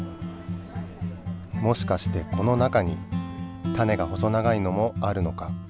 もしかしてこの中に種が細長いのもあるのか？